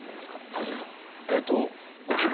斉藤さん。